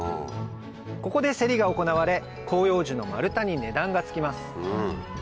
ここでセリが行われ広葉樹の丸太に値段がつきます